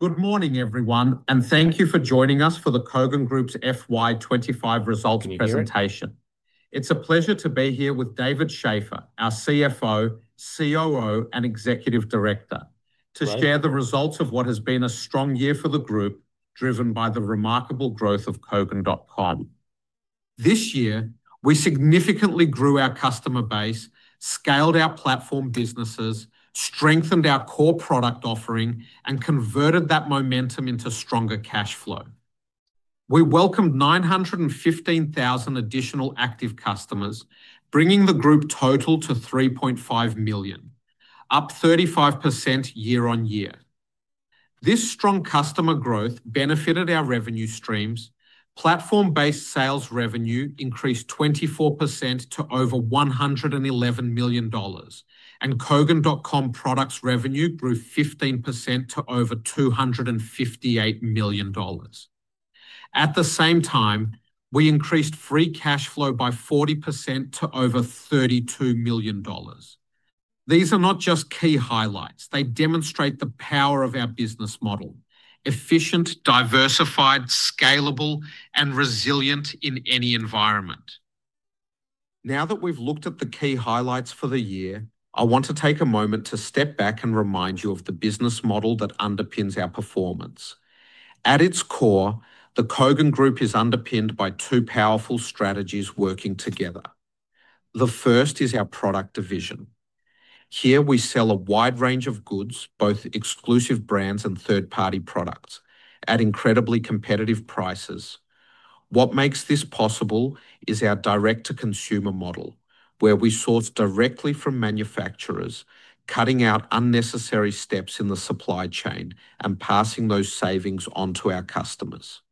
Good morning, everyone, and thank you for joining us for the Kogan Group's FY 2025 results presentation. It's a pleasure to be here with David Shafer, our CFO, COO, and Executive Director, to share the results of what has been a strong year for the group, driven by the remarkable growth of Kogan.com. This year, we significantly grew our customer base, scaled our platform businesses, strengthened our core product offering, and converted that momentum into stronger cash flow. We welcomed 915,000 additional active customers, bringing the group total to 3.5 million, up 35% year-on-year. This strong customer growth benefited our revenue streams: platform-based sales revenue increased 24% to over $111 million, and Kogan.com products revenue grew 15% to over $258 million. At the same time, we increased free cash flow by 40% to over $32 million. These are not just key highlights, they demonstrate the power of our business model: efficient, diversified, scalable, and resilient in any environment. Now that we've looked at the key highlights for the year, I want to take a moment to step back and remind you of the business model that underpins our performance. At its core, the Kogan Group is underpinned by two powerful strategies working together. The first is our product division. Here, we sell a wide range of goods, both exclusive brands and third-party products, at incredibly competitive prices. What makes this possible is our direct-to-consumer model, where we source directly from manufacturers, cutting out unnecessary steps in the supply chain and passing those savings onto our customers.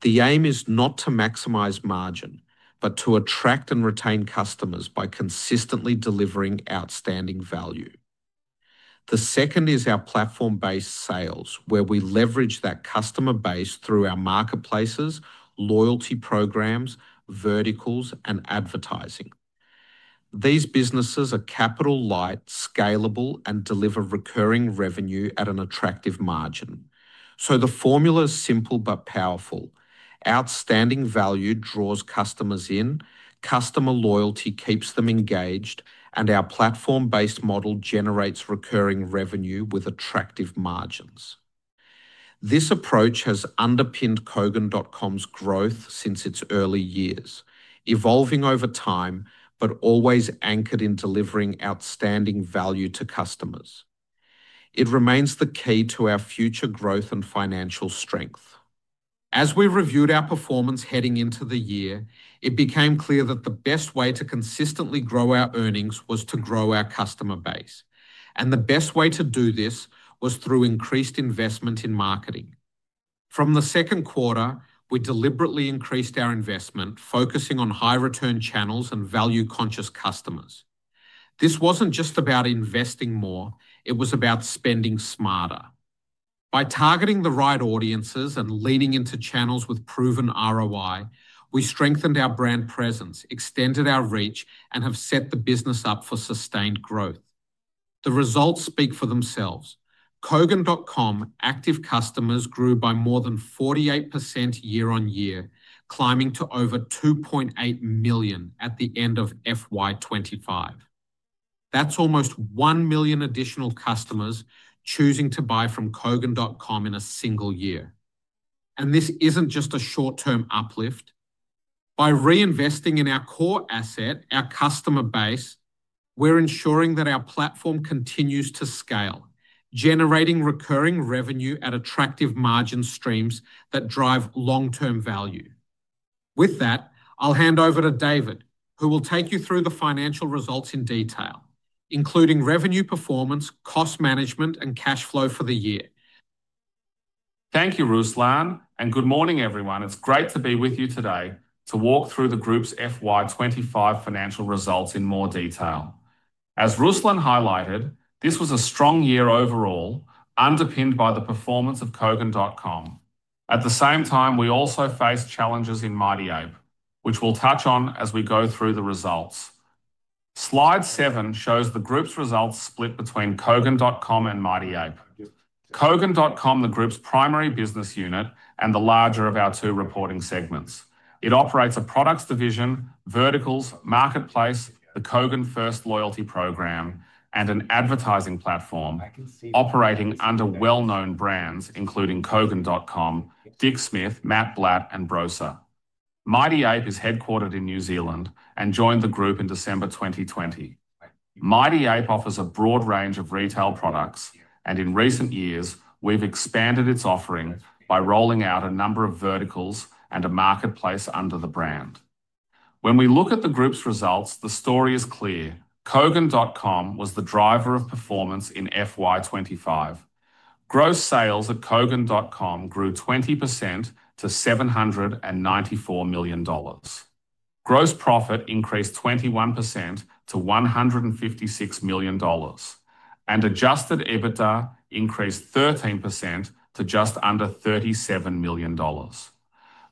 The aim is not to maximize margin, but to attract and retain customers by consistently delivering outstanding value. The second is our platform-based sales, where we leverage that customer base through our marketplaces, loyalty programs, verticals, and advertising. These businesses are capital-light, scalable, and deliver recurring revenue at an attractive margin. The formula is simple but powerful: outstanding value draws customers in, customer loyalty keeps them engaged, and our platform-based model generates recurring revenue with attractive margins. This approach has underpinned Kogan.com's growth since its early years, evolving over time but always anchored in delivering outstanding value to customers. It remains the key to our future growth and financial strength. As we reviewed our performance heading into the year, it became clear that the best way to consistently grow our earnings was to grow our customer base, and the best way to do this was through increased investment in marketing. From the second quarter, we deliberately increased our investment, focusing on high-return channels and value-conscious customers. This wasn't just about investing more, it was about spending smarter. By targeting the right audiences and leading into channels with proven ROI, we strengthened our brand presence, extended our reach, and have set the business up for sustained growth. The results speak for themselves: Kogan.com active customers grew by more than 48% year-on-year, climbing to over 2.8 million at the end of FY 2025. That's almost 1 million additional customers choosing to buy from Kogan.com in a single year. This isn't just a short-term uplift. By reinvesting in our core asset, our customer base, we're ensuring that our platform continues to scale, generating recurring revenue at attractive margin streams that drive long-term value. With that, I'll hand over to David, who will take you through the financial results in detail, including revenue performance, cost management, and cash flow for the year. Thank you, Ruslan, and good morning, everyone. It's great to be with you today to walk through the group's FY 2025 financial results in more detail. As Ruslan highlighted, this was a strong year overall, underpinned by the performance of Kogan.com. At the same time, we also faced challenges in Mighty Ape, which we'll touch on as we go through the results. Slide 7 shows the group's results split between Kogan.com and Mighty Ape. Kogan.com, the group's primary business unit, is the larger of our two reporting segments. It operates a products division, verticals, marketplace, the Kogan FIRST loyalty program, and an advertising platform operating under well-known brands, including Kogan.com, Dick Smith, Matt Blatt, and Brosa. Mighty Ape is headquartered in New Zealand and joined the group in December 2020. Mighty Ape offers a broad range of retail products, and in recent years, we've expanded its offering by rolling out a number of verticals and a marketplace under the brand. When we look at the group's results, the story is clear: Kogan.com was the driver of performance in FY 2025. Gross sales at Kogan.com grew 20% to $794 million. Gross profit increased 21% to $156 million, and adjusted EBITDA increased 13% to just under $37 million.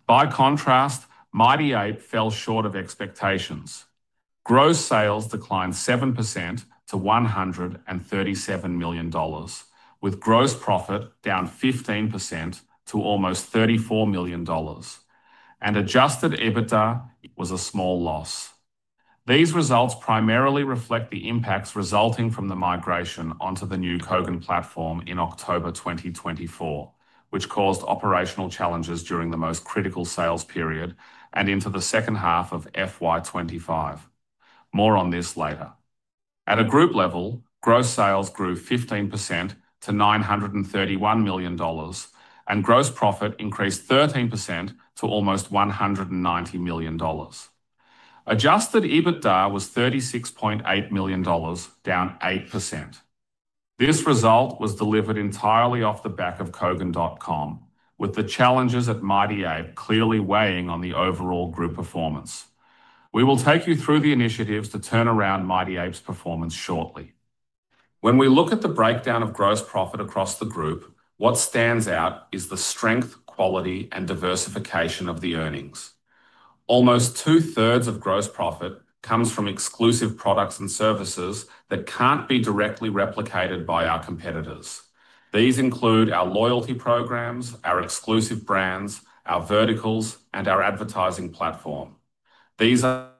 By contrast, Mighty Ape fell short of expectations. Gross sales declined 7% to $137 million, with gross profit down 15% to almost $34 million, and adjusted EBITDA was a small loss. These results primarily reflect the impacts resulting from the migration onto the new Kogan platform in October 2024, which caused operational challenges during the most critical sales period and into the second half of FY 2025. More on this later. At a group level, gross sales grew 15% to $931 million, and gross profit increased 13% to almost $190 million. Adjusted EBITDA was $36.8 million, down 8%. This result was delivered entirely off the back of Kogan.com, with the challenges at Mighty Ape clearly weighing on the overall group performance. We will take you through the initiatives to turn around Mighty Ape's performance shortly. When we look at the breakdown of gross profit across the group, what stands out is the strength, quality, and diversification of the earnings. Almost two-thirds of gross profit comes from exclusive products and services that can't be directly replicated by our competitors. These include our loyalty programs, our exclusive brands, our verticals, and our advertising platform. During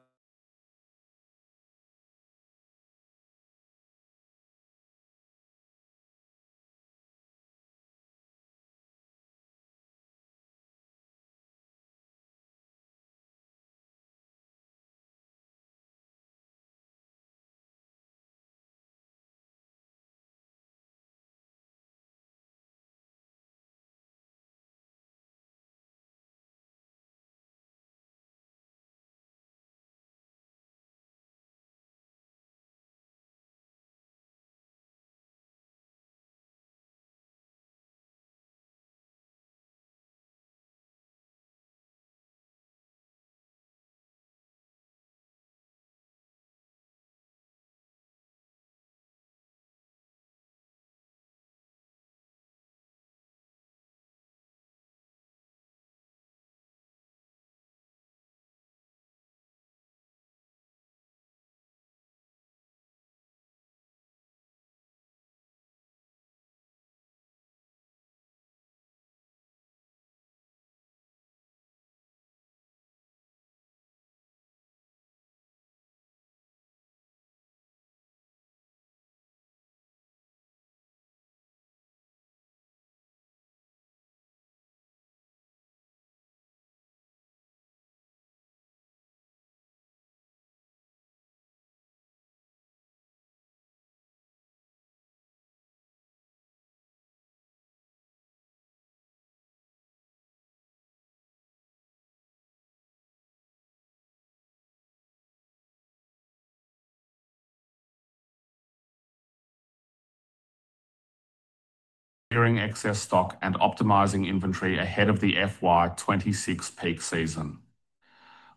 excess stock and optimizing inventory ahead of the FY 2026 peak season,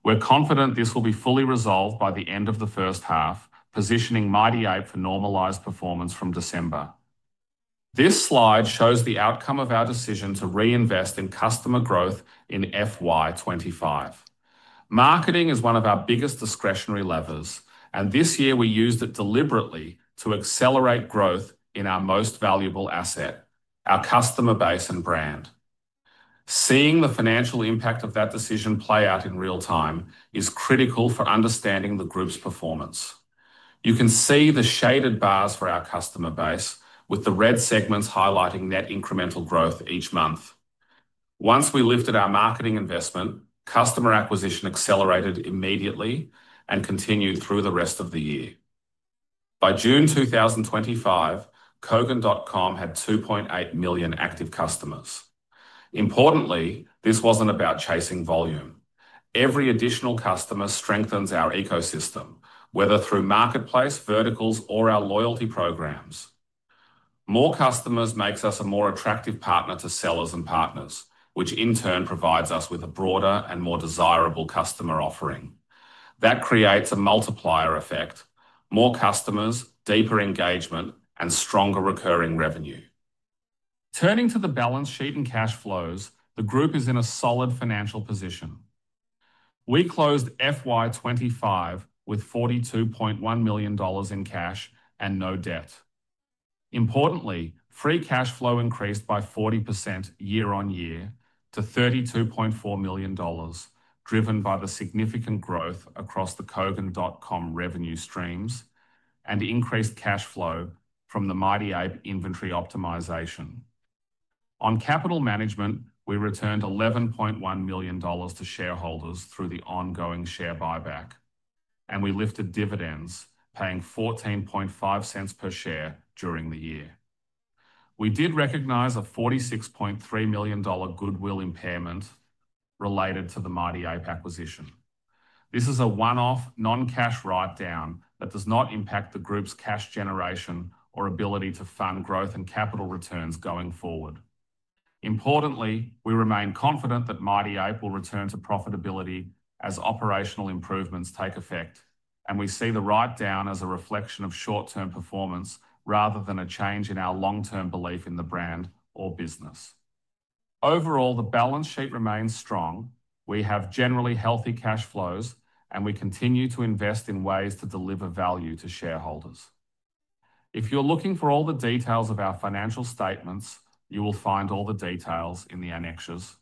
we're confident this will be fully resolved by the end of the first half, positioning Mighty Ape for normalized performance from December. This slide shows the outcome of our decision to reinvest in customer growth in FY 2025. Marketing is one of our biggest discretionary levers, and this year we used it deliberately to accelerate growth in our most valuable asset: our customer base and brand. Seeing the financial impact of that decision play out in real time is critical for understanding the group's performance. You can see the shaded bars for our customer base, with the red segments highlighting net incremental growth each month. Once we lifted our marketing investment, customer acquisition accelerated immediately and continued through the rest of the year. By June 2025, Kogan.com had 2.8 million active customers. Importantly, this wasn't about chasing volume. Every additional customer strengthens our ecosystem, whether through marketplace, verticals, or our loyalty programs. More customers make us a more attractive partner to sellers and partners, which in turn provides us with a broader and more desirable customer offering. That creates a multiplier effect: more customers, deeper engagement, and stronger recurring revenue. Turning to the balance sheet and cash flows, the group is in a solid financial position. We closed FY 2025 with $42.1 million in cash and no debt. Importantly, free cash flow increased by 40% year-on-year to $32.4 million, driven by the significant growth across the Kogan.com revenue streams and increased cash flow from the Mighty Ape inventory optimization. On capital management, we returned $11.1 million to shareholders through the ongoing share buyback, and we lifted dividends, paying $0.145 per share during the year. We did recognize a $46.3 million goodwill impairment related to the Mighty Ape acquisition. This is a one-off, non-cash write-down that does not impact the group's cash generation or ability to fund growth and capital returns going forward. Importantly, we remain confident that Mighty Ape will return to profitability as operational improvements take effect, and we see the write-down as a reflection of short-term performance rather than a change in our long-term belief in the brand or business. Overall, the balance sheet remains strong, we have generally healthy cash flows, and we continue to invest in ways to deliver value to shareholders. If you're looking for all the details of our financial statements, you will find all the details in the annexes.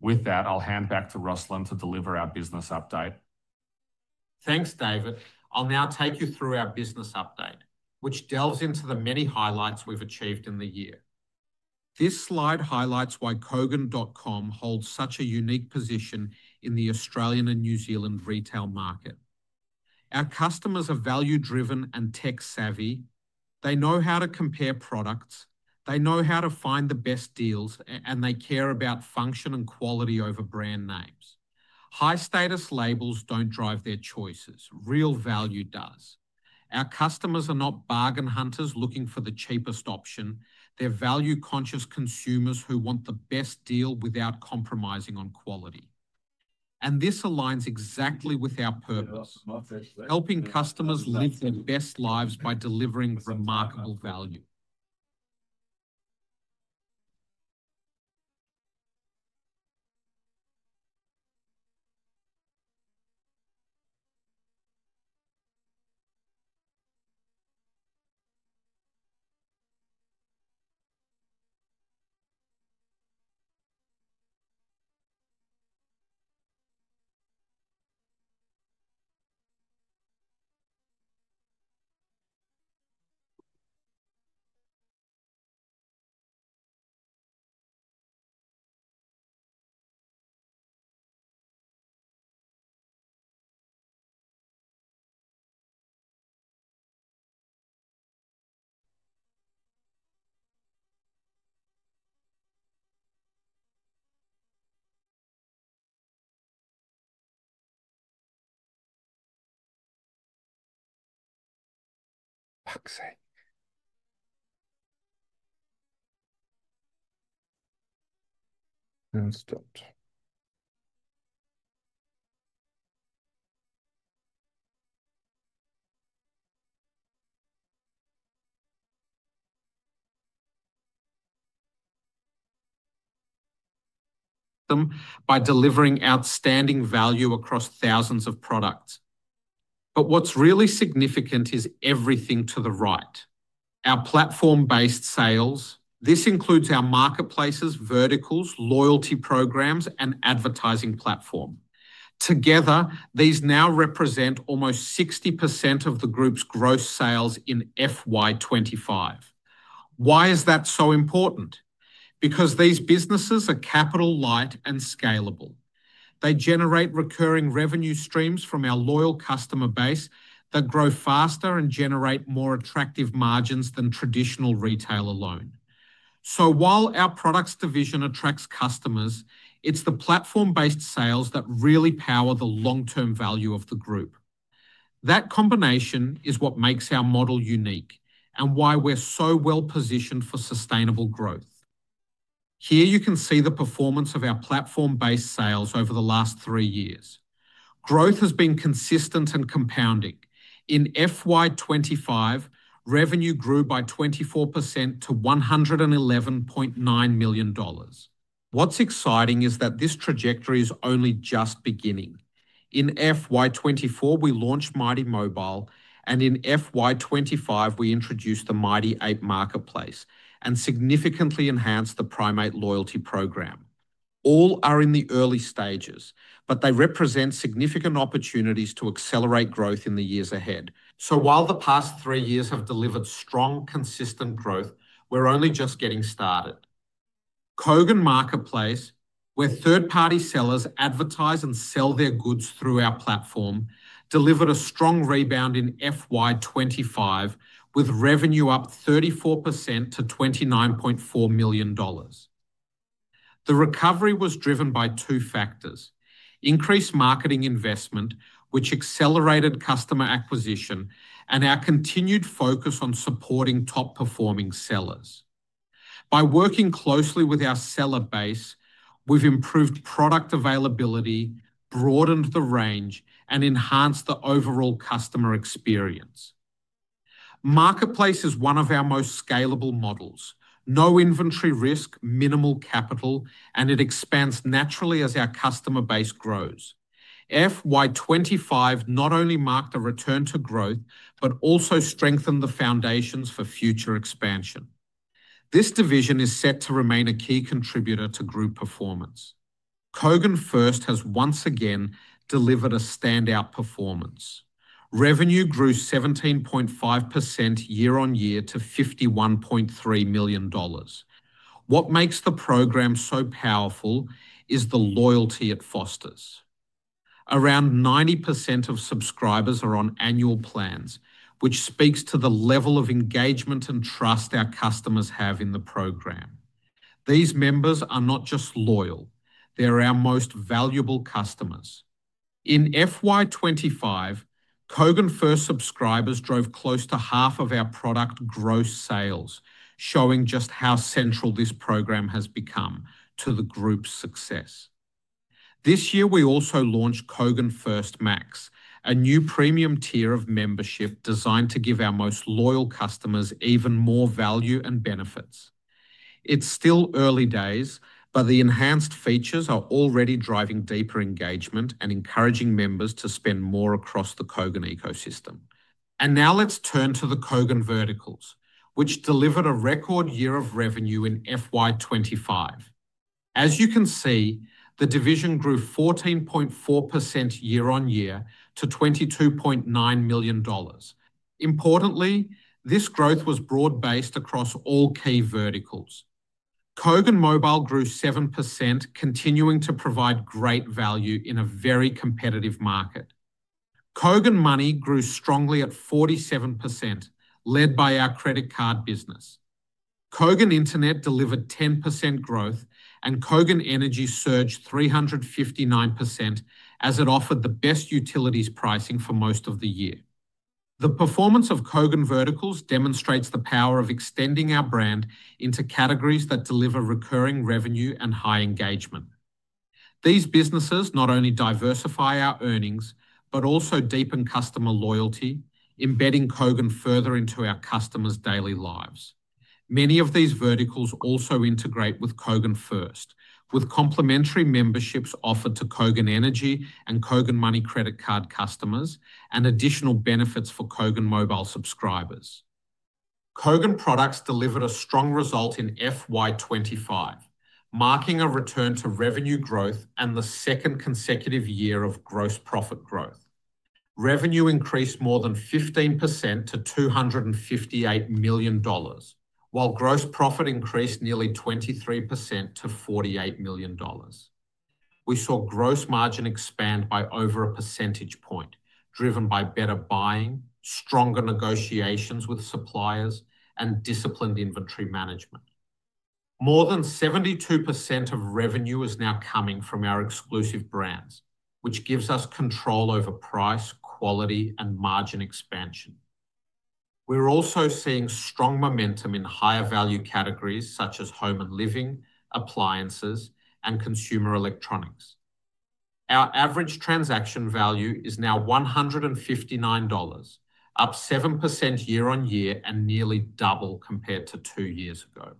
With that, I'll hand back to Ruslan to deliver our business update. Thanks, David. I'll now take you through our business update, which delves into the many highlights we've achieved in the year. This slide highlights why Kogan.com holds such a unique position in the Australian and New Zealand retail market. Our customers are value-driven and tech-savvy. They know how to compare products, they know how to find the best deals, and they care about function and quality over brand names. High-status labels don't drive their choices; real value does. Our customers are not bargain hunters looking for the cheapest option; they're value-conscious consumers who want the best deal without compromising on quality. This aligns exactly with our purpose: helping customers live their best lives by delivering remarkable value by delivering outstanding value across thousands of products. What's really significant is everything to the right: our platform-based sales. This includes our marketplaces, verticals, loyalty programs, and advertising platform. Together, these now represent almost 60% of the group's gross sales in FY 2025. Why is that so important? These businesses are capital-light and scalable. They generate recurring revenue streams from our loyal customer base that grow faster and generate more attractive margins than traditional retail alone. While our products division attracts customers, it's the platform-based sales that really power the long-term value of the group. That combination is what makes our model unique and why we're so well-positioned for sustainable growth. Here you can see the performance of our platform-based sales over the last three years. Growth has been consistent and compounding. In FY 2025, revenue grew by 24% to $111.9 million. What's exciting is that this trajectory is only just beginning. In FY 2024, we launched Mighty Mobile, and in FY 2025, we introduced the Mighty Ape Marketplace and significantly enhanced the PRIMATE loyalty program. All are in the early stages, but they represent significant opportunities to accelerate growth in the years ahead. While the past three years have delivered strong, consistent growth, we're only just getting started. Kogan Marketplace, where third-party sellers advertise and sell their goods through our platform, delivered a strong rebound in FY 2025, with revenue up 34% to $29.4 million. The recovery was driven by two factors: increased marketing investment, which accelerated customer acquisition, and our continued focus on supporting top-performing sellers. By working closely with our seller base, we've improved product availability, broadened the range, and enhanced the overall customer experience. Marketplace is one of our most scalable models: no inventory risk, minimal capital, and it expands naturally as our customer base grows. FY 2025 not only marked a return to growth but also strengthened the foundations for future expansion. This division is set to remain a key contributor to group performance. Kogan FIRST has once again delivered a standout performance. Revenue grew 17.5% year-on-year to $51.3 million. What makes the program so powerful is the loyalty it fosters. Around 90% of subscribers are on annual plans, which speaks to the level of engagement and trust our customers have in the program. These members are not just loyal; they're our most valuable customers. In FY 2025, Kogan FIRST subscribers drove close to half of our product gross sales, showing just how central this program has become to the group's success. This year, we also launched Kogan FIRST Max, a new premium tier of membership designed to give our most loyal customers even more value and benefits. It's still early days, but the enhanced features are already driving deeper engagement and encouraging members to spend more across the Kogan ecosystem. Now, let's turn to the Kogan verticals, which delivered a record year of revenue in FY 2025. As you can see, the division grew 14.4% year-on-year to $22.9 million. Importantly, this growth was broad-based across all key verticals. Kogan Mobile grew 7%, continuing to provide great value in a very competitive market. Kogan Money grew strongly at 47%, led by our credit card business. Kogan Internet delivered 10% growth, and Kogan Energy surged 359% as it offered the best utilities pricing for most of the year. The performance of Kogan verticals demonstrates the power of extending our brand into categories that deliver recurring revenue and high engagement. These businesses not only diversify our earnings but also deepen customer loyalty, embedding Kogan further into our customers' daily lives. Many of these verticals also integrate with Kogan FIRST, with complimentary memberships offered to Kogan Energy and Kogan Money credit card customers and additional benefits for Kogan Mobile subscribers. Kogan products delivered a strong result in FY 2025, marking a return to revenue growth and the second consecutive year of gross profit growth. Revenue increased more than 15% to $258 million, while gross profit increased nearly 23% to $48 million. We saw gross margin expand by over a percentage point, driven by better buying, stronger negotiations with suppliers, and disciplined inventory management. More than 72% of revenue is now coming from our exclusive brands, which gives us control over price, quality, and margin expansion. We're also seeing strong momentum in higher value categories such as home and living, appliances, and consumer electronics. Our average transaction value is now $159, up 7% year-on-year and nearly double compared to two years ago.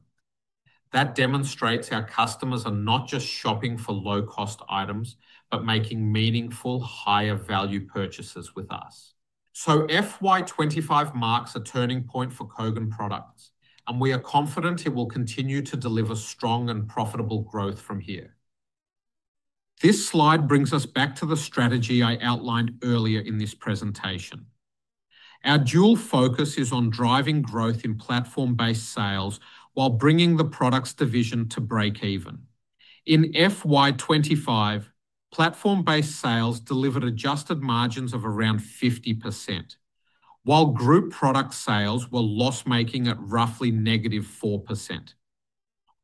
That demonstrates our customers are not just shopping for low-cost items but making meaningful, higher-value purchases with us. FY 2025 marks a turning point for Kogan products, and we are confident it will continue to deliver strong and profitable growth from here. This slide brings us back to the strategy I outlined earlier in this presentation. Our dual focus is on driving growth in platform-based sales while bringing the products division to break even. In FY 2025, platform-based sales delivered adjusted margins of around 50%, while group product sales were loss-making at roughly -4%.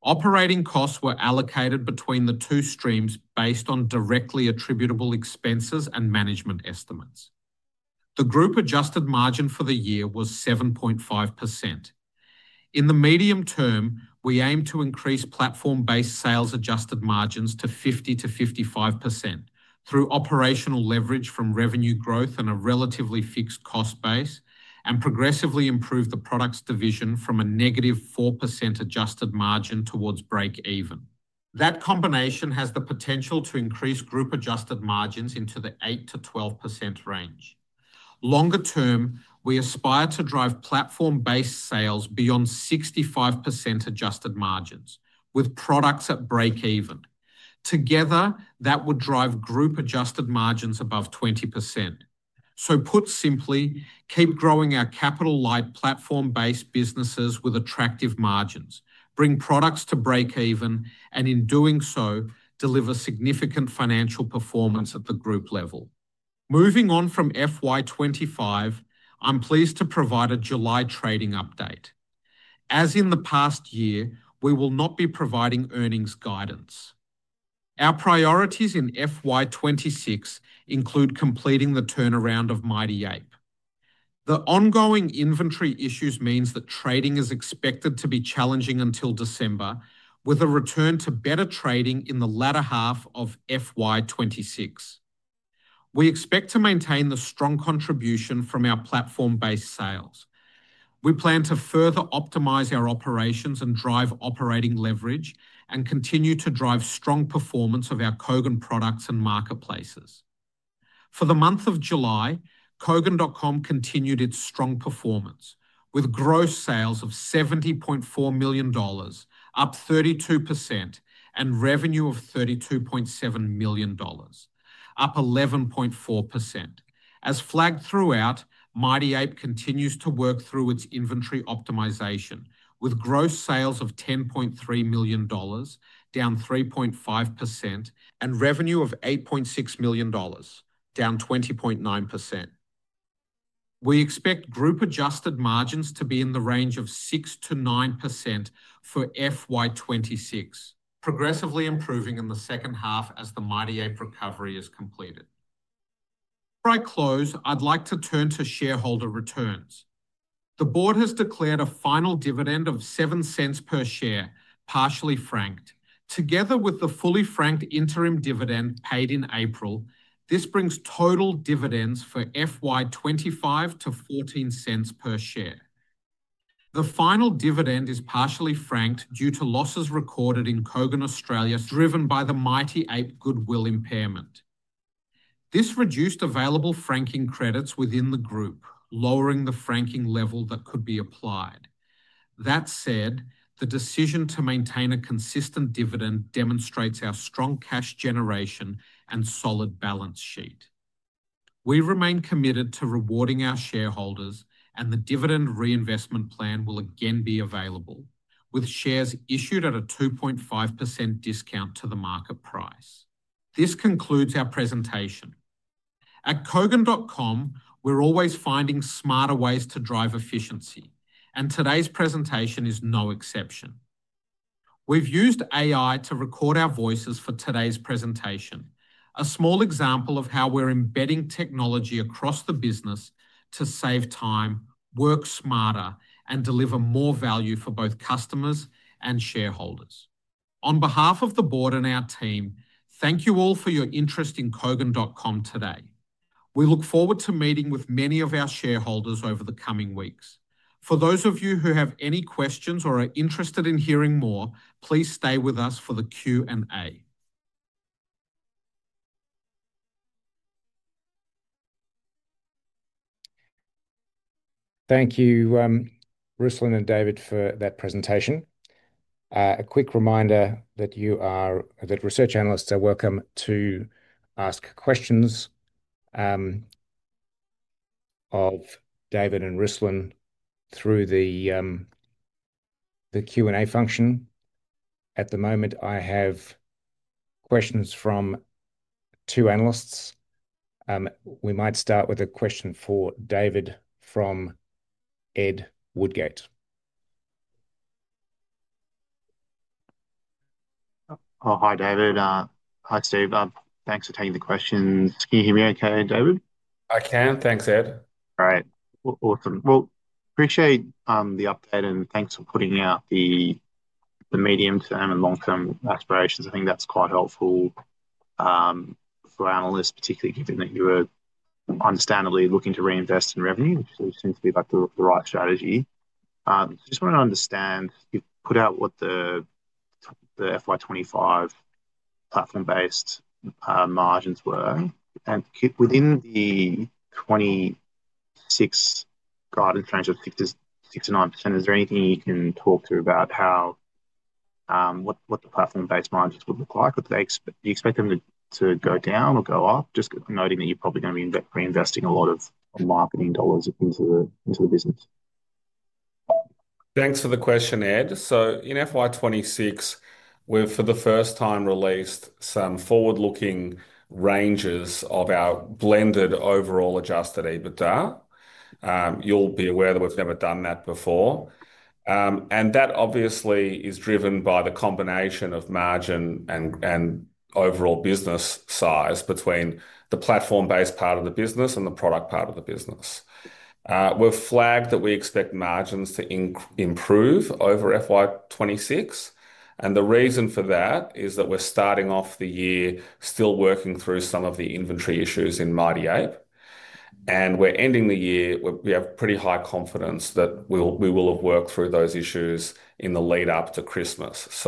Operating costs were allocated between the two streams based on directly attributable expenses and management estimates. The group adjusted margin for the year was 7.5%. In the medium term, we aim to increase platform-based sales adjusted margins to 50%-55% through operational leverage from revenue growth and a relatively fixed cost base, and progressively improve the products division from a -4% adjusted margin towards break-even. That combination has the potential to increase group adjusted margins into the 8%-12% range. Longer term, we aspire to drive platform-based sales beyond 65% adjusted margins, with products at break-even. Together, that would drive group adjusted margins above 20%. Put simply, keep growing our capital-light platform-based businesses with attractive margins, bring products to break-even, and in doing so, deliver significant financial performance at the group level. Moving on from FY 2025, I'm pleased to provide a July trading update. As in the past year, we will not be providing earnings guidance. Our priorities in FY 2026 include completing the turnaround of Mighty Ape. The ongoing inventory issues mean that trading is expected to be challenging until December, with a return to better trading in the latter half of FY 2026. We expect to maintain the strong contribution from our platform-based sales. We plan to further optimize our operations and drive operating leverage, and continue to drive strong performance of our Kogan products and marketplaces. For the month of July, Kogan.com continued its strong performance, with gross sales of $70.4 million, up 32%, and revenue of $32.7 million, up 11.4%. As flagged throughout, Mighty Ape continues to work through its inventory optimization, with gross sales of $10.3 million, down 3.5%, and revenue of $8.6 million, down 20.9%. We expect group adjusted margins to be in the range of 6%-9% for FY 2026, progressively improving in the second half as the Mighty Ape recovery is completed. Before I close, I'd like to turn to shareholder returns. The board has declared a final dividend of $0.07 per share, partially franked. Together with the fully franked interim dividend paid in April, this brings total dividends for FY 2025 to $0.14 per share. The final dividend is partially franked due to losses recorded in Kogan Australia, driven by the Mighty Ape goodwill impairment. This reduced available franking credits within the group, lowering the franking level that could be applied. That said, the decision to maintain a consistent dividend demonstrates our strong cash generation and solid balance sheet. We remain committed to rewarding our shareholders, and the dividend reinvestment plan will again be available, with shares issued at a 2.5% discount to the market price. This concludes our presentation. At Kogan.com, we're always finding smarter ways to drive efficiency, and today's presentation is no exception. We've used AI to record our voices for today's presentation, a small example of how we're embedding technology across the business to save time, work smarter, and deliver more value for both customers and shareholders. On behalf of the board and our team, thank you all for your interest in Kogan.com today. We look forward to meeting with many of our shareholders over the coming weeks. For those of you who have any questions or are interested in hearing more, please stay with us for the Q&A. Thank you, Ruslan and David, for that presentation. A quick reminder that research analysts are welcome to ask questions of David and Ruslan through the Q&A function. At the moment, I have questions from two analysts. We might start with a question for David from Ed Woodgate. Oh, hi, David. Hi, Steve. Thanks for taking the questions. Can you hear me okay, David? I can. Thanks, Ed. All right. Awesome. I appreciate the update and thanks for putting out the medium-term and long-term aspirations. I think that's quite helpful for analysts, particularly given that you were understandably looking to reinvest in revenue, which seems to be like the right strategy. I just want to understand, you put out what the FY 2025 platform-based margins were, and within the 2026 guidance range of 69%, is there anything you can talk to about how the platform-based margins would look? Do you expect them to go down or go up? Just noting that you're probably going to be reinvesting a lot of marketing dollars into the. Thanks for the question, Ed. In FY 2026, we've for the first time released some forward-looking ranges of our blended overall adjusted EBITDA. You'll be aware that we've never done that before. That obviously is driven by the combination of margin and overall business size between the platform-based part of the business and the product part of the business. We've flagged that we expect margins to improve over FY 2026, and the reason for that is that we're starting off the year still working through some of the inventory issues in Mighty Ape, and we're ending the year with pretty high confidence that we will have worked through those issues in the lead-up to Christmas.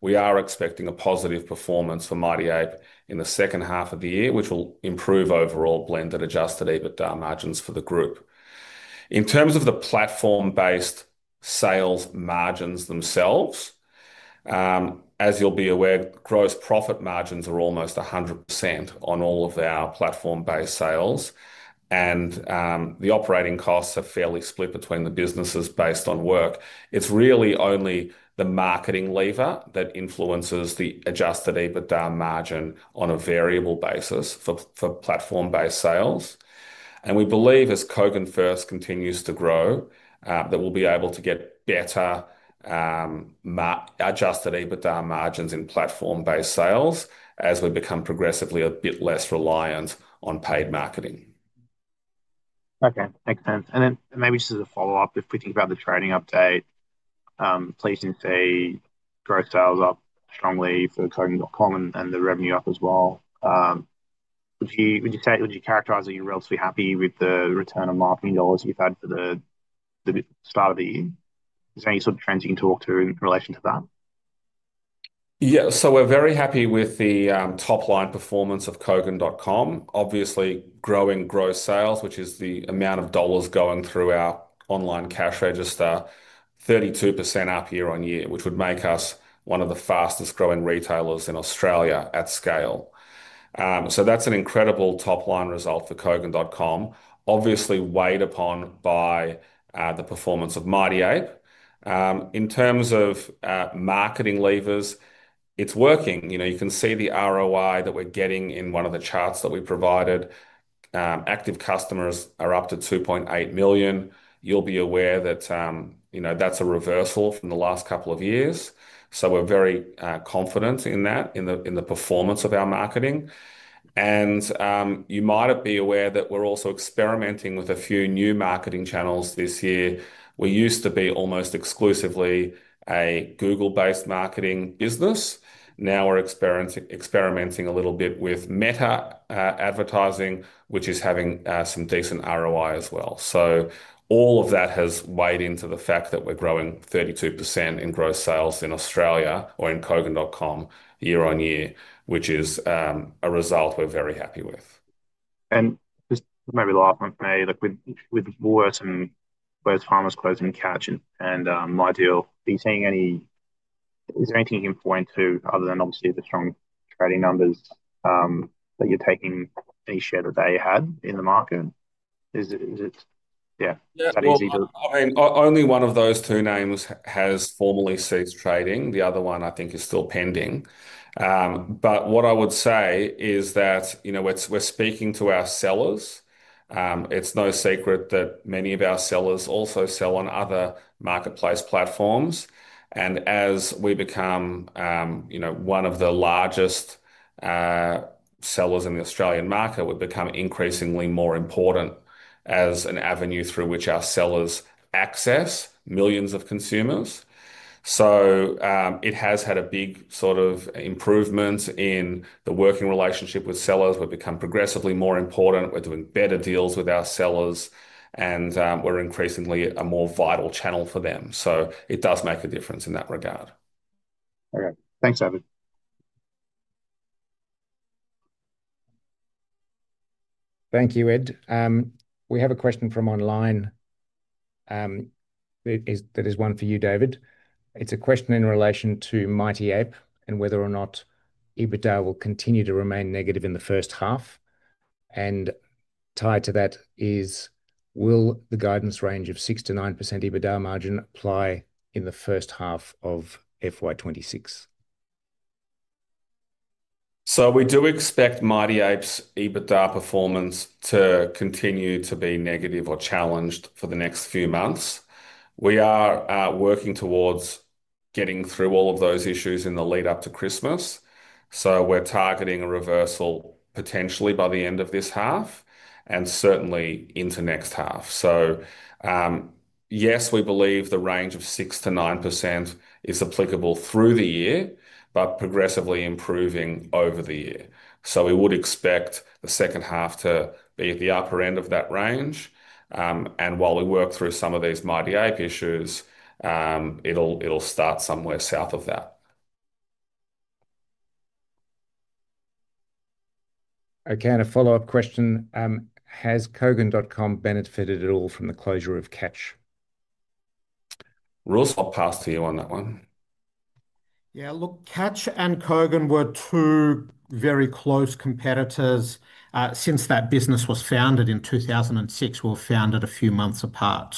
We are expecting a positive performance for Mighty Ape in the second half of the year, which will improve overall blended adjusted EBITDA margins for the group. In terms of the platform-based sales margins themselves, as you'll be aware, gross profit margins are almost 100% on all of our platform-based sales, and the operating costs are fairly split between the businesses based on work. It's really only the marketing lever that influences the adjusted EBITDA margin on a variable basis for platform-based sales. We believe as Kogan FIRST continues to grow, that we'll be able to get better adjusted EBITDA margins in platform-based sales as we become progressively a bit less reliant on paid marketing. Okay, makes sense. Maybe just as a follow-up, if we think about the trading update, placing say gross sales up strongly for Kogan.com and the revenue up as well, would you characterize that you're relatively happy with the return on marketing dollars that you've had for the start of the year? Is there any sort of trends you can talk to in relation to that? Yeah, we're very happy with the top-line performance of Kogan.com. Obviously, growing gross sales, which is the amount of dollars going through our online cash register, 32% up year-on-year, which would make us one of the fastest growing retailers in Australia at scale. That's an incredible top-line result for Kogan.com, obviously weighed upon by the performance of Mighty Ape. In terms of marketing levers, it's working. You can see the ROI that we're getting in one of the charts that we provided. Active customers are up to 2.8 million. You'll be aware that that's a reversal from the last couple of years. We're very confident in that, in the performance of our marketing. You might be aware that we're also experimenting with a few new marketing channels this year. We used to be almost exclusively a Google-based marketing business. Now we're experimenting a little bit with Meta advertising, which is having some decent ROI as well. All of that has weighed into the fact that we're growing 32% in gross sales in Australia or in Kogan.com year-on-year, which is a result we're very happy with. Maybe the last one for me, look, we've worked on both Farmers Clothes and Catch and MyDeal. Are you seeing any, is there anything you can point to other than obviously the strong trading numbers that you're taking? Any share that they had in the market? Is it, yeah, that easy? I mean, only one of those two names has formally ceased trading. The other one I think is still pending. What I would say is that we're speaking to our sellers. It's no secret that many of our sellers also sell on other marketplace platforms. As we become one of the largest sellers in the Australian market, we've become increasingly more important as an avenue through which our sellers access millions of consumers. It has had a big sort of improvement in the working relationship with sellers. We've become progressively more important. We're doing better deals with our sellers, and we're increasingly a more vital channel for them. It does make a difference in that regard. Okay, thanks, David. Thank you, Ed. We have a question from online. That is one for you, David. It's a question in relation to Mighty Ape and whether or not EBITDA will continue to remain negative in the first half. Tied to that is, will the guidance range of 6%-9% EBITDA margin apply in the first half of FY 2026? We do expect Mighty Ape's EBITDA performance to continue to be negative or challenged for the next few months. We are working towards getting through all of those issues in the lead-up to Christmas. We're targeting a reversal potentially by the end of this half and certainly into next half. We believe the range of 6%-9% is applicable through the year, but progressively improving over the year. We would expect the second half to be at the upper end of that range. While we work through some of these Mighty Ape issues, it'll start somewhere south of that. Okay, and a follow-up question. Has Kogan.com benefited at all from the closure of Catch? Ruslan, I'll pass to you on that one. Yeah, look, Catch and Kogan were two very close competitors since that business was founded in 2006. We were founded a few months apart.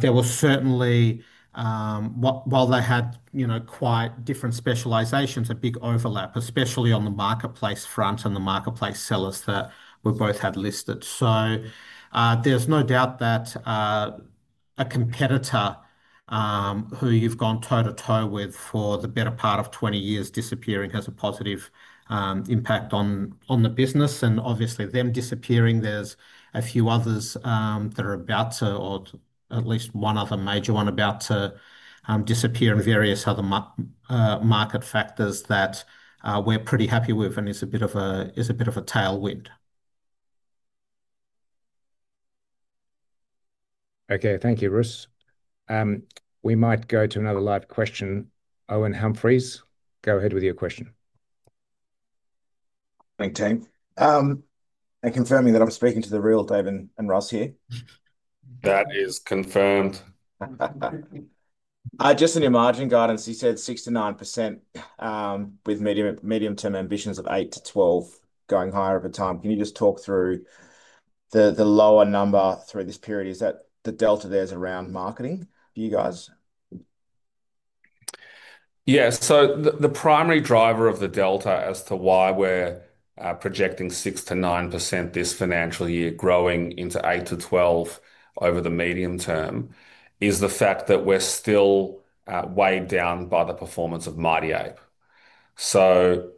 There was certainly, while they had, you know, quite different specializations, a big overlap, especially on the marketplace front and the marketplace sellers that we both had listed. There's no doubt that a competitor who you've gone toe to toe with for the better part of 20 years disappearing has a positive impact on the business. Obviously, them disappearing, there's a few others that are about to, or at least one other major one about to disappear in various other market factors that we're pretty happy with and is a bit of a tailwind. Okay, thank you, Rus. We might go to another live question. Owen Humphries, go ahead with your question. Thanks, team. I am confirming that I'm speaking to the real David Shafer and Ruslan Kogan here. That is confirmed. Just in your margin guidance, you said 6%-9% with medium-term ambitions of 8%-12% going higher over time. Can you just talk through the lower number through this period? Is that the delta there is around marketing for you guys? Yes, the primary driver of the delta as to why we're projecting 6%-9% this financial year growing into 8%-12% over the medium term is the fact that we're still weighed down by the performance of Mighty Ape.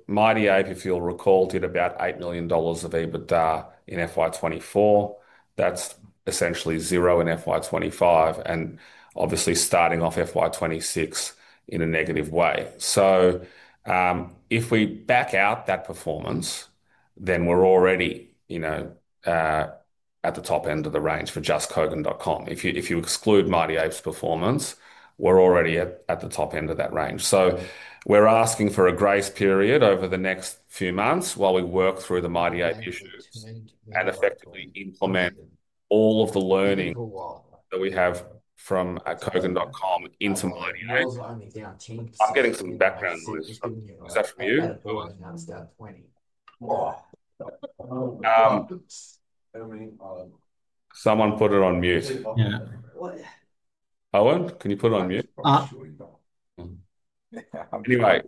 Mighty Ape, if you'll recall, did about $8 million of EBITDA in FY 2024. That's essentially zero in FY 2025 and obviously starting off FY 2026 in a negative way. If we back out that performance, then we're already at the top end of the range for just Kogan.com. If you exclude Mighty Ape's performance, we're already at the top end of that range. We're asking for a grace period over the next few months while we work through the Mighty Ape issues and effectively implement all of the learning that we have from Kogan.com into Mighty Ape. I'm getting some background noise. Is that from you? Someone put it on mute. Owen, can you put it on mute? Anyway,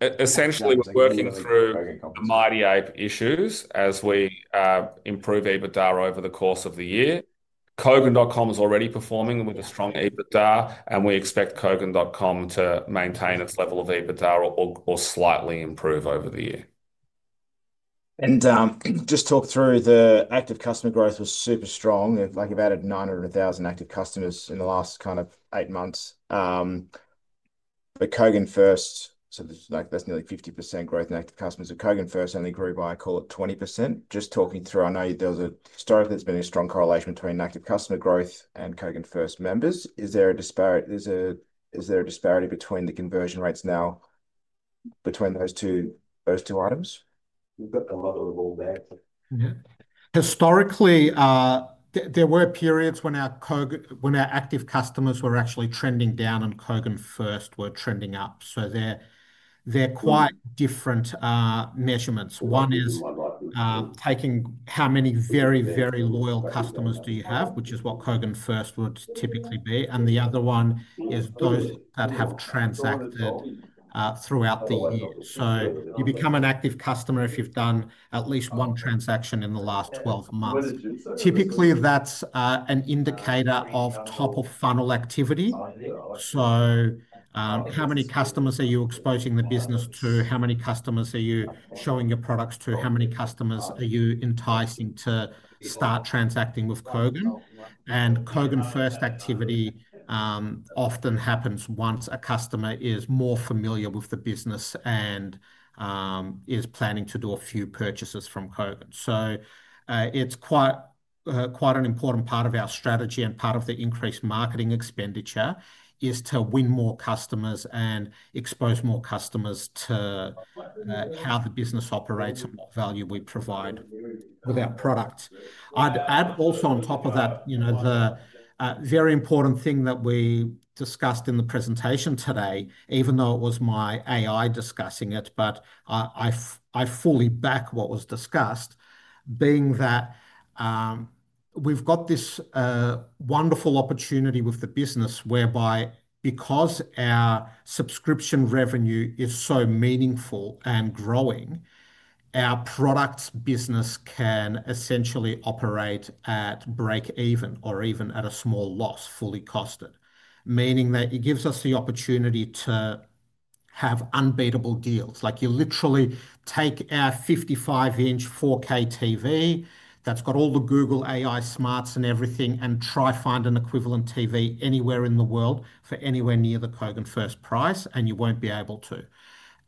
essentially we're working through Mighty Ape issues as we improve EBITDA over the course of the year. Kogan.com is already performing with a strong EBITDA, and we expect Kogan.com to maintain its level of EBITDA or slightly improve over the year. Just talk through the active customer growth was super strong, like about 900,000 active customers in the last kind of eight months. Kogan FIRST, that's nearly 50% growth in active customers. Kogan FIRST only grew by, I call it, 20%. Just talking through, I know there was historically, there's been a strong correlation between active customer growth and Kogan FIRST members. Is there a disparity between the conversion rates now between those two items? A lot of them are all there. Historically, there were periods when our active customers were actually trending down and Kogan FIRST were trending up. They are quite different measurements. One is taking how many very, very loyal customers you have, which is what Kogan FIRST would typically be. The other one is those that have transacted throughout the year. You become an active customer if you've done at least one transaction in the last 12 months. Typically, that's an indicator of top of funnel activity. How many customers are you exposing the business to? How many customers are you showing your products to? How many customers are you enticing to start transacting with Kogan? Kogan FIRST activity often happens once a customer is more familiar with the business and is planning to do a few purchases from Kogan. It is quite an important part of our strategy, and part of the increased marketing expenditure is to win more customers and expose more customers to how the business operates and what value we provide with our products. I'd add also on top of that, the very important thing that we discussed in the presentation today, even though it was my AI discussing it, but I fully back what was discussed, being that we've got this wonderful opportunity with the business whereby because our subscription revenue is so meaningful and growing, our products business can essentially operate at break-even or even at a small loss, fully costed. It gives us the opportunity to have unbeatable deals. You literally take our 55-in 4K TV that's got all the Google AI smarts and everything and try to find an equivalent TV anywhere in the world for anywhere near the Kogan FIRST price, and you won't be able to.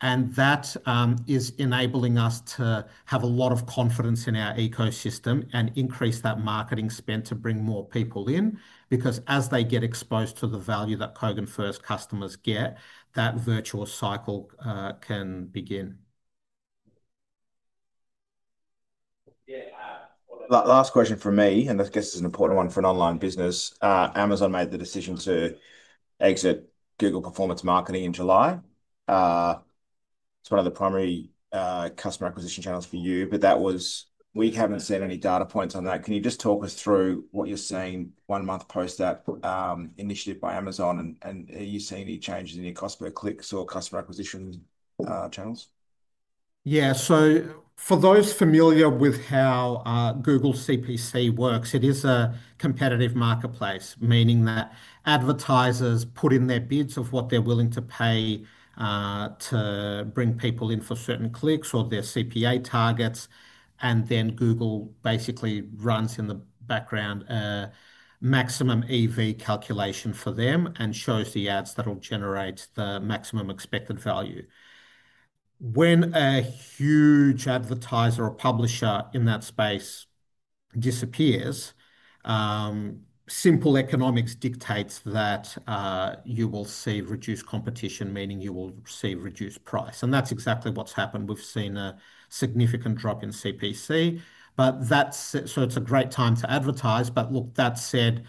That is enabling us to have a lot of confidence in our ecosystem and increase that marketing spend to bring more people in because as they get exposed to the value that Kogan FIRST customers get, that virtuous cycle can begin. Last question from me, and I guess it's an important one for an online business. Amazon made the decision to exit Google Performance Marketing in July. It's one of the primary customer acquisition channels for you, but we haven't seen any data points on that. Can you just talk us through what you're seeing one month post that initiative by Amazon? Are you seeing any changes in your cost per click or customer acquisition channels? Yeah, so for those familiar with how Google CPC works, it is a competitive marketplace, meaning that advertisers put in their bids of what they're willing to pay to bring people in for certain clicks or their CPA targets, and then Google basically runs in the background a maximum EV calculation for them and shows the ads that will generate the maximum expected value. When a huge advertiser or publisher in that space disappears, simple economics dictate that you will see reduced competition, meaning you will see reduced price. That's exactly what's happened. We've seen a significant drop in CPC, but that's it. It's a great time to advertise. That said,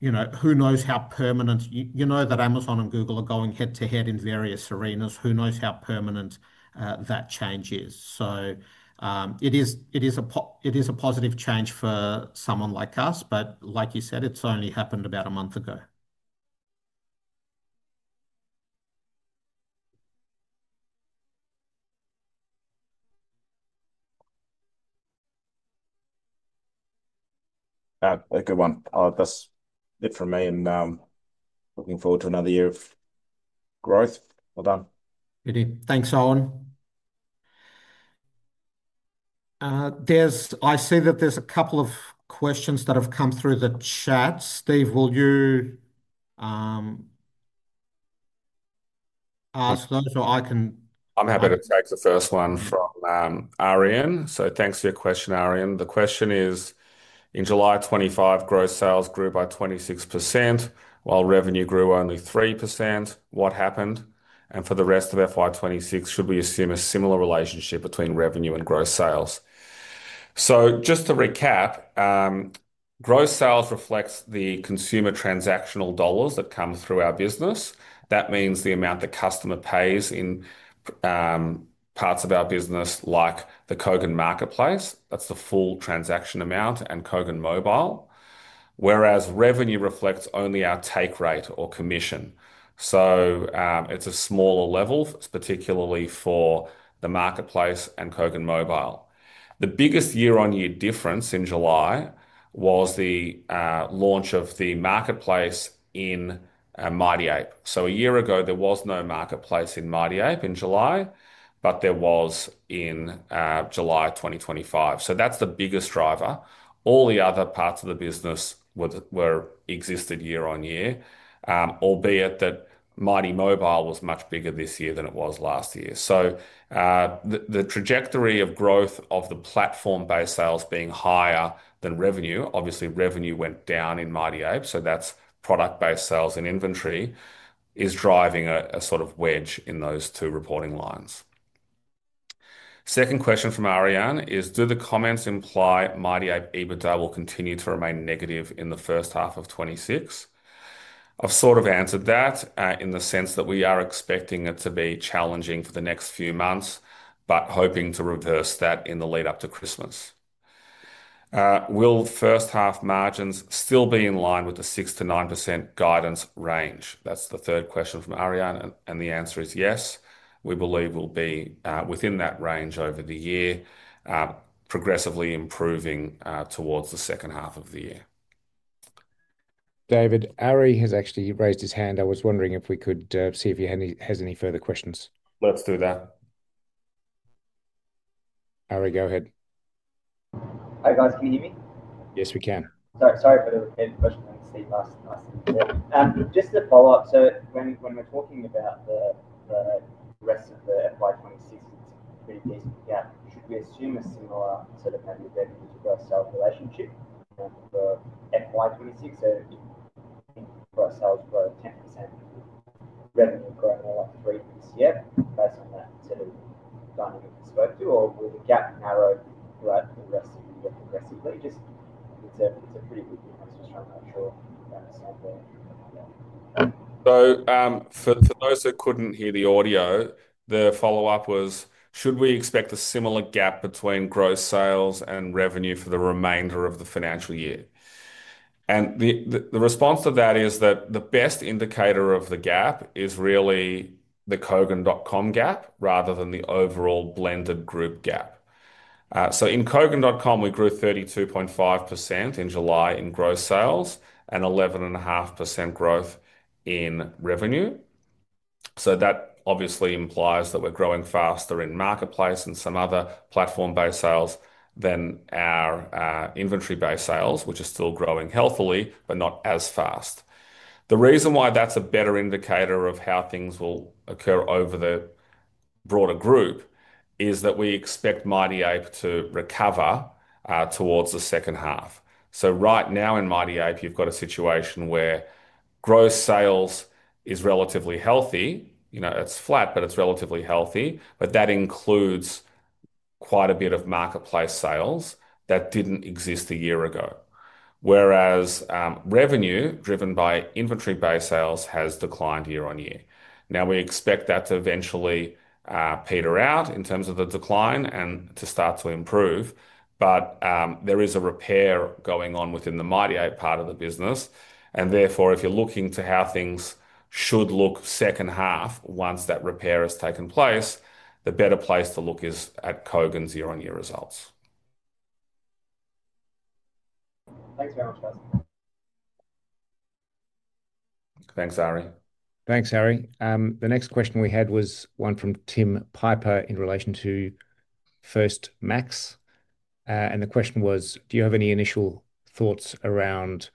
you know, who knows how permanent, you know that Amazon and Google are going head-to-head in various arenas. Who knows how permanent that change is? It is a positive change for someone like us, but like you said, it's only happened about a month ago. Yeah, a good one. I'll have this bit for me, looking forward to another year of growth. Well done. Thanks, Owen. I see that there's a couple of questions that have come through the chat. Steve, will you ask those or I can? I'm happy to take the first one from Arian. Thanks for your question, Arian. The question is, in July 2025, gross sales grew by 26% while revenue grew only 3%. What happened? For the rest of FY 2026, should we assume a similar relationship between revenue and gross sales? Just to recap, gross sales reflects the consumer transactional dollars that come through our business. That means the amount the customer pays in parts of our business, like the Kogan Marketplace. That's the full transaction amount and Kogan Mobile, whereas revenue reflects only our take rate or commission. It's a smaller level, particularly for the Marketplace and Kogan Mobile. The biggest year-on-year difference in July was the launch of the Marketplace in Mighty Ape. A year ago, there was no Marketplace in Mighty Ape in July, but there was in July 2025. That's the biggest driver. All the other parts of the business existed year-on-year, albeit that Mighty Mobile was much bigger this year than it was last year. The trajectory of growth of the platform-based sales being higher than revenue, obviously revenue went down in Mighty Ape, so that's product-based sales and inventory is driving a sort of wedge in those two reporting lines. The second question from Arian is, do the comments imply Mighty Ape EBITDA will continue to remain negative in the first half of 2026? I've answered that in the sense that we are expecting it to be challenging for the next few months, but hoping to reverse that in the lead-up to Christmas. Will first-half margins still be in line with the 6%-9% guidance range? That's the third question from Arian, and the answer is yes. We believe we'll be within that range over the year, progressively improving towards the second half of the year. David, Ari has actually raised his hand. I was wondering if we could see if he has any further questions. Let's do that. Ari, go ahead. Hi guys, can you hear me? Yes, we can. Sorry for the end, but the rest of the FY 2026 is pretty basically gap. Should we assume a similar set of value then? We should have a sales relationship. For FY 2026, for our sales growth, 10% revenue. Great. That's three months yet based on that set of value that we spoke to, or will the gap narrow progressively? It's a pretty weak one, I was just trying to make sure. For those that couldn't hear the audio, the follow-up was, should we expect a similar gap between gross sales and revenue for the remainder of the financial year? The response to that is that the best indicator of the gap is really the Kogan.com gap rather than the overall blended group gap. In Kogan.com, we grew 32.5% in July in gross sales and 11.5% growth in revenue. That obviously implies that we're growing faster in Marketplace and some other platform-based sales than our inventory-based sales, which are still growing healthily, but not as fast. The reason why that's a better indicator of how things will occur over the broader group is that we expect Mighty Ape to recover towards the second half. Right now in Mighty Ape, you've got a situation where gross sales is relatively healthy. It's flat, but it's relatively healthy. That includes quite a bit of Marketplace sales that didn't exist a year ago, whereas revenue driven by inventory-based sales has declined year on year. We expect that to eventually peter out in terms of the decline and to start to improve. There is a repair going on within the Mighty Ape part of the business. Therefore, if you're looking to how things should look second half once that repair has taken place, the better place to look is at Kogan's year-on-year results. Thanks very much, mate. Thanks, Ari. Thanks, Harry. The next question we had was one from Tim Piper in relation to FIRST Max. The question was, do you have any initial thoughts around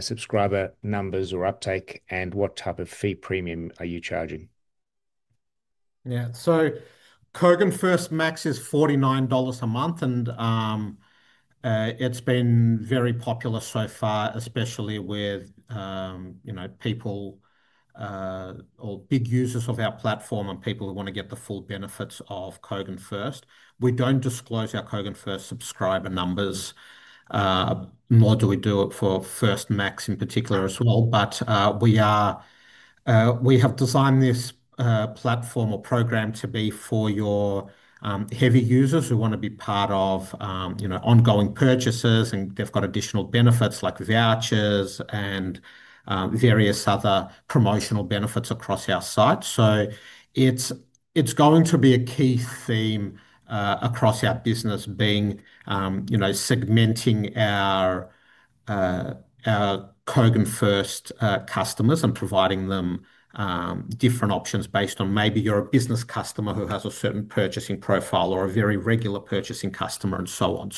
subscriber numbers or uptake, and what type of fee premium are you charging? Yeah, so Kogan FIRST Max is $49 a month, and it's been very popular so far, especially with people or big users of our platform and people who want to get the full benefits of Kogan FIRST. We don't disclose our Kogan FIRST subscriber numbers, nor do we do it for FIRST Max in particular as well. We have designed this platform or program to be for your heavy users who want to be part of ongoing purchases, and they've got additional benefits like vouchers and various other promotional benefits across our site. It's going to be a key theme across our business, segmenting our Kogan FIRST customers and providing them different options based on maybe you're a business customer who has a certain purchasing profile or a very regular purchasing customer and so on.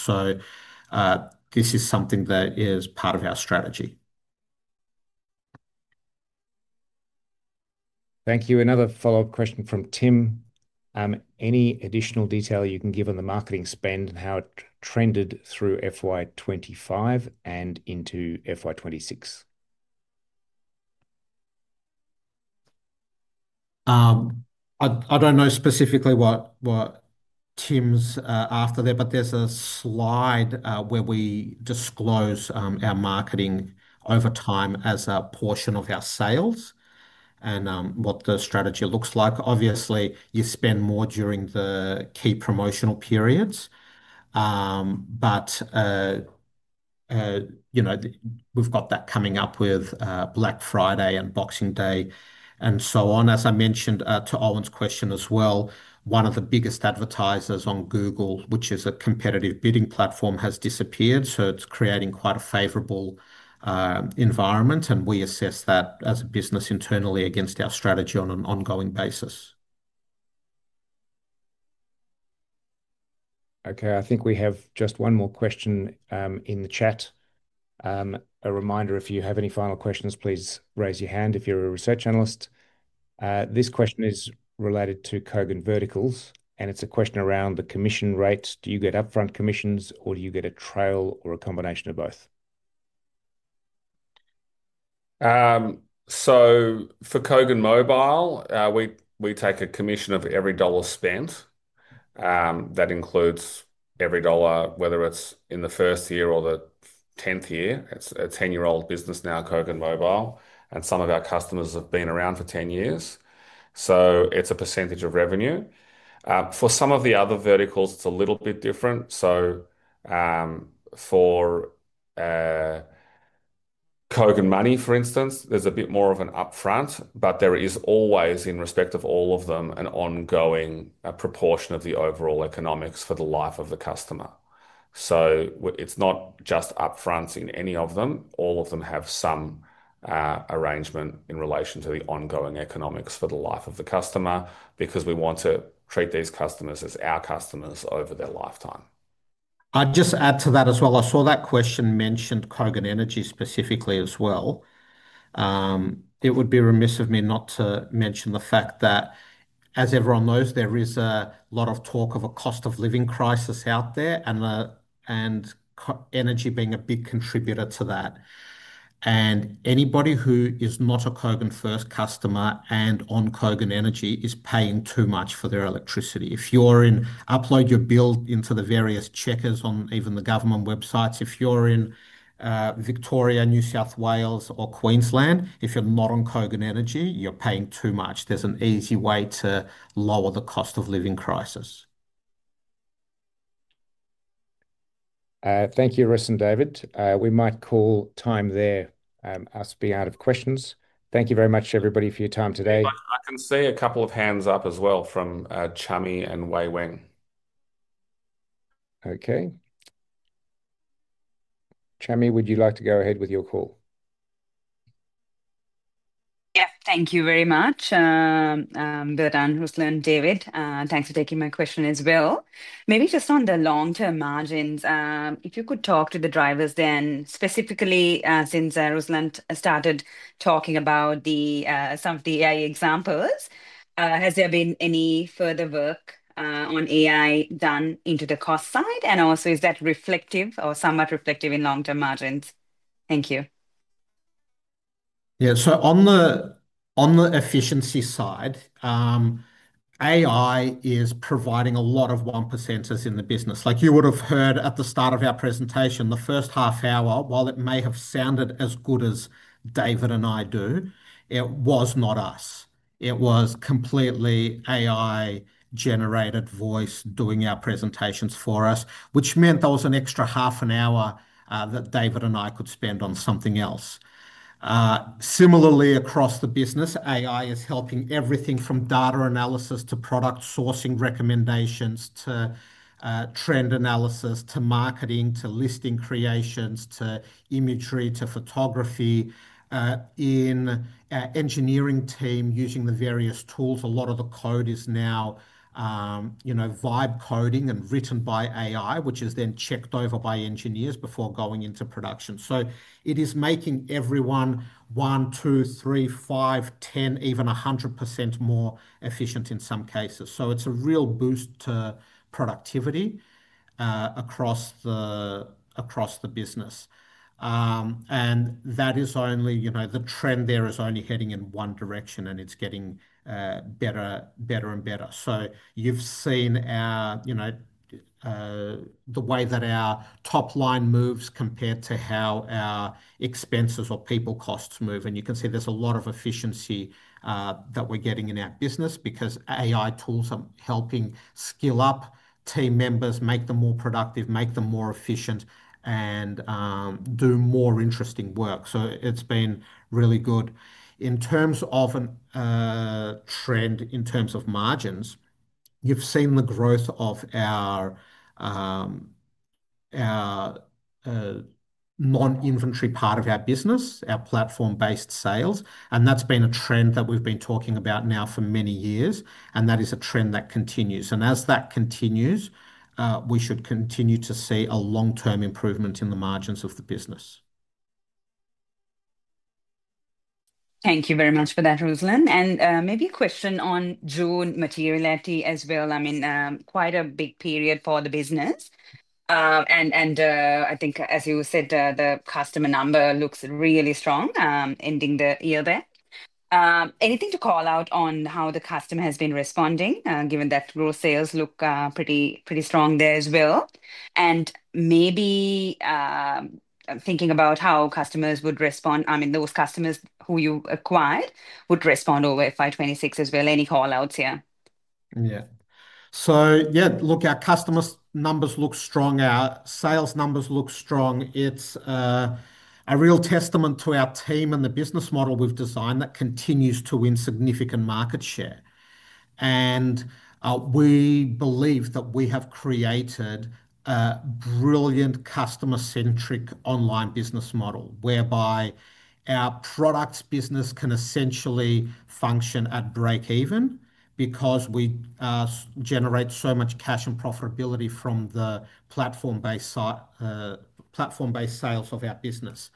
This is something that is part of our strategy. Thank you. Another follow-up question from Tim. Any additional detail you can give on the marketing spend and how it trended through FY 2025 and into FY 2026? I don't know specifically what Tim's asked there, but there's a slide where we disclose our marketing over time as a portion of our sales and what the strategy looks like. Obviously, you spend more during the key promotional periods, but we've got that coming up with Black Friday and Boxing Day and so on. As I mentioned to Owen's question as well, one of the biggest advertisers on Google, which is a competitive bidding platform, has disappeared. It's creating quite a favorable environment, and we assess that as a business internally against our strategy on an ongoing basis. Okay, I think we have just one more question in the chat. A reminder, if you have any final questions, please raise your hand if you're a research analyst. This question is related to Kogan verticals, and it's a question around the commission rate. Do you get upfront commissions, or do you get a trail or a combination of both? For Kogan Mobile, we take a commission of every dollar spent. That includes every dollar, whether it's in the first year or the 10th year. It's a 10-year-old business now, Kogan Mobile, and some of our customers have been around for 10 years. It's a percentage of revenue. For some of the other verticals, it's a little bit different. For Kogan Money, for instance, there's a bit more of an upfront, but there is always, in respect of all of them, an ongoing proportion of the overall economics for the life of the customer. It's not just upfront in any of them. All of them have some arrangement in relation to the ongoing economics for the life of the customer because we want to treat these customers as our customers over their lifetime. I'd just add to that as well. I saw that question mentioned Kogan Energy specifically as well. It would be remiss of me not to mention the fact that, as everyone knows, there is a lot of talk of a cost of living crisis out there, and energy being a big contributor to that. Anybody who is not a Kogan FIRST customer and on Kogan Energy is paying too much for their electricity. If you're in, upload your bill into the various checkers on even the government websites. If you're in Victoria, New South Wales, or Queensland, if you're not on Kogan Energy, you're paying too much. There's an easy way to lower the cost of living crisis. Thank you, Ruslan and David. We might call time there asking questions. Thank you very much, everybody, for your time today. I can see a couple of hands up as well from Chami and Weiweng. Okay, Chami, would you like to go ahead with your call? Thank you very much. Bertan, Ruslan, David, thanks for taking my question as well. Maybe just on the long-term margins, if you could talk to the drivers then, specifically since Ruslan started talking about some of the AI examples, has there been any further work on AI done into the cost side? Also, is that reflective or somewhat reflective in long-term margins? Thank you. Yeah, on the efficiency side, AI is providing a lot of 1% in the business. Like you would have heard at the start of our presentation, the first half hour, while it may have sounded as good as David and I do, it was not us. It was completely AI-generated voice doing our presentations for us, which meant there was an extra half an hour that David and I could spend on something else. Similarly, across the business, AI is helping everything from data analysis to product sourcing recommendations to trend analysis to marketing to listing creations to imagery to photography. In our engineering team, using the various tools, a lot of the code is now, you know, vibe coding and written by AI, which is then checked over by engineers before going into production. It is making everyone 1, 2, 3, 5, 10, even 100% more efficient in some cases. It is a real boost to productivity across the business. The trend there is only heading in one direction, and it's getting better and better. You have seen the way that our top line moves compared to how our expenses or people costs move. You can see there's a lot of efficiency that we're getting in our business because AI tools are helping skill up team members, make them more productive, make them more efficient, and do more interesting work. It's been really good. In terms of a trend, in terms of margins, you have seen the growth of our non-inventory part of our business, our platform-based sales. That's been a trend that we've been talking about now for many years. That is a trend that continues. As that continues, we should continue to see a long-term improvement in the margins of the business. Thank you very much for that, Ruslan. Maybe a question on June materiality as well. Quite a big period for the business. I think, as you said, the customer number looks really strong ending the year there. Anything to call out on how the customer has been responding, given that gross sales look pretty strong there as well? Maybe thinking about how customers would respond, I mean, those customers who you acquired would respond over FY 2026 as well. Any call outs here? Yeah, our customer numbers look strong. Our sales numbers look strong. It's a real testament to our team and the business model we've designed that continues to win significant market share. We believe that we have created a brilliant customer-centric online business model whereby our products business can essentially function at break-even because we generate so much cash and profitability from the platform-based sales of our business.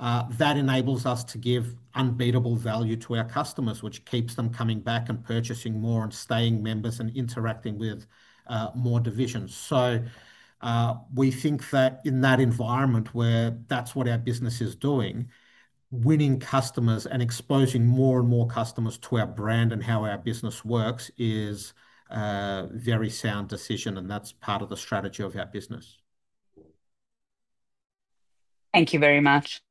That enables us to give unbeatable value to our customers, which keeps them coming back and purchasing more and staying members and interacting with more divisions. We think that in that environment where that's what our business is doing, winning customers and exposing more and more customers to our brand and how our business works is a very sound decision. That's part of the strategy of our business. Thank you very much.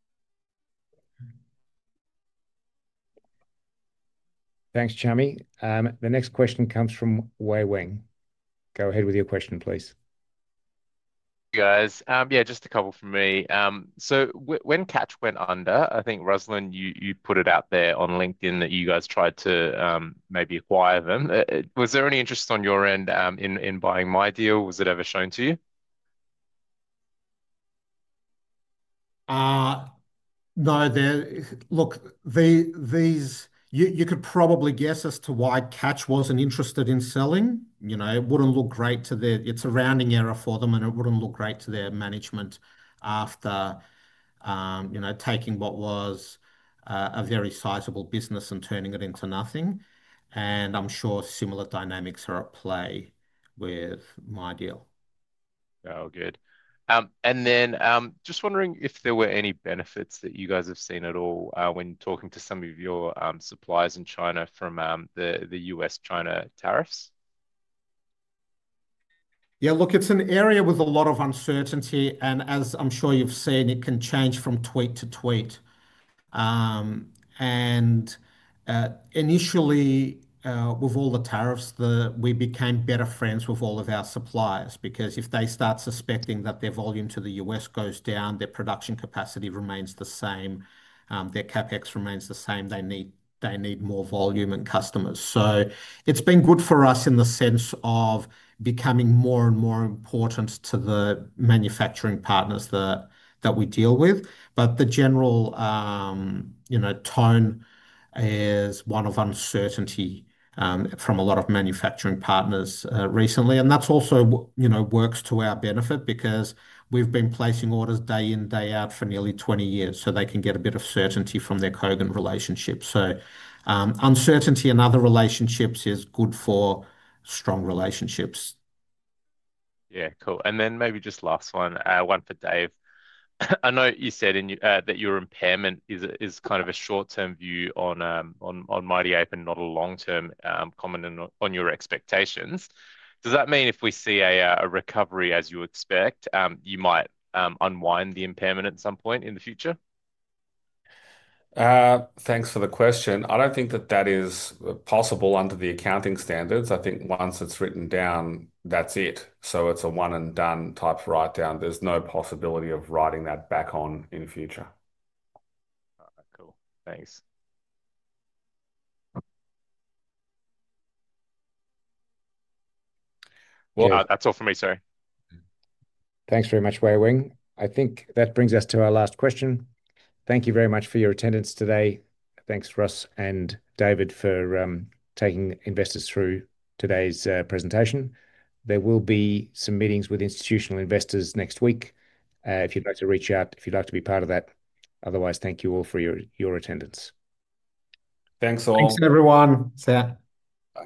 Thanks, Chami. The next question comes from Wei weng. Go ahead with your question, please. Just a couple from me. When Catch went under, I think Ruslan, you put it out there on LinkedIn that you guys tried to maybe acquire them. Was there any interest on your end in buying MyDeal? Was it ever shown to you? No, look, you could probably guess as to why Catch wasn't interested in selling. You know, it wouldn't look great to their, it's a rounding error for them, and it wouldn't look great to their management after taking what was a very sizable business and turning it into nothing. I'm sure similar dynamics are at play with MyDeal. Oh, good. I was just wondering if there were any benefits that you guys have seen at all when talking to some of your suppliers in China from the U.S.-China tariffs. Yeah, look, it's an area with a lot of uncertainty. As I'm sure you've seen, it can change from tweet to tweet. Initially, with all the tariffs, we became better friends with all of our suppliers because if they start suspecting that their volume to the U.S. goes down, their production capacity remains the same, their CapEx remains the same, they need more volume and customers. It's been good for us in the sense of becoming more and more important to the manufacturing partners that we deal with. The general tone is one of uncertainty from a lot of manufacturing partners recently. That also works to our benefit because we've been placing orders day in, day out for nearly 20 years. They can get a bit of certainty from their Kogan relationship. Uncertainty in other relationships is good for strong relationships. Yeah, cool. Maybe just last one, one for Dave. I know you said that your impairment is kind of a short-term view on Mighty Ape and not a long-term comment on your expectations. Does that mean if we see a recovery as you expect, you might unwind the impairment at some point in the future? Thanks for the question. I don't think that that is possible under the accounting standards. I think once it's written down, that's it. It's a one-and-done type write-down. There's no possibility of writing that back on in the future. Cool, thanks. Thank you very much, Wei weng. I think that brings us to our last question. Thank you very much for your attendance today. Thanks, Rus and David, for taking investors through today's presentation. There will be some meetings with institutional investors next week. If you'd like to reach out, if you'd like to be part of that. Otherwise, thank you all for your attendance. Thanks all. Thanks, everyone. See ya.